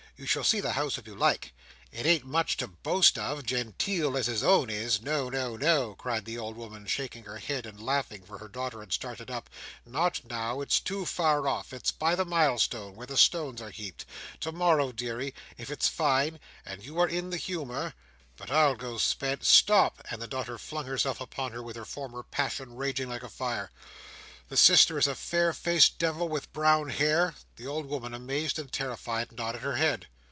You shall see the house if you like. It ain't much to boast of, genteel as his own is. No, no, no," cried the old woman, shaking her head and laughing; for her daughter had started up, "not now; it's too far off; it's by the milestone, where the stones are heaped;—to morrow, deary, if it's fine, and you are in the humour. But I'll go spend—" "Stop!" and the daughter flung herself upon her, with her former passion raging like a fire. "The sister is a fair faced Devil, with brown hair?" The old woman, amazed and terrified, nodded her head.